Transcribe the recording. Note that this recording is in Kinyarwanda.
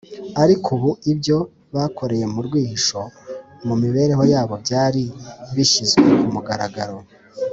; ariko ubu ibyo bakoreye mu rwihisho mu mibereho yabo byari bishyizwe ku mugaragaro